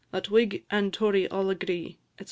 Let Whig and Tory all agree," &c.